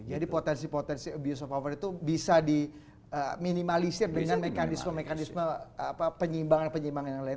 jadi potensi potensi abuse of power itu bisa di minimalisir dengan mekanisme mekanisme penyimbangan penyimbangan yang lain